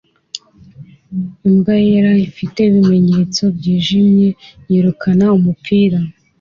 Imbwa yera ifite ibimenyetso byijimye yirukana umupira